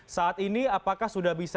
saat ini apakah sudah bisa